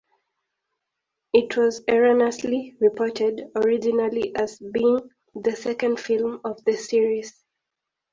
It was erroneously reported originally as being the second film of the series.